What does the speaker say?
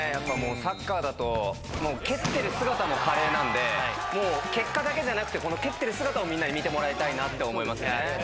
サッカーだと蹴ってる姿も華麗なんで結果だけじゃなくて蹴ってる姿をみんなに見てもらいたいなって思いますよね。